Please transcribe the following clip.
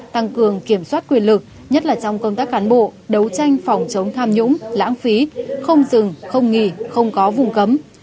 tăng cường kiểm soát quyền lực nhất là trong công tác cán bộ đấu tranh phòng chống tham nhũng lãng phí không dừng không nghỉ không có vùng cấm